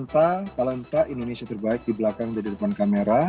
talenta indonesia terbaik di belakang dan di depan kamera